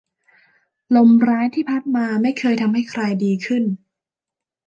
ลมร้ายที่พัดมาไม่เคยทำให้ใครดีขึ้น